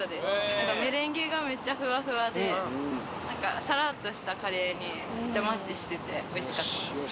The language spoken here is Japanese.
なんかメレンゲがめっちゃふわふわで、なんか、さらっとしたカレーにめっちゃマッチしてておいしかったです。